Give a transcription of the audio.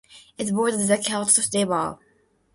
It borders the Choptank River.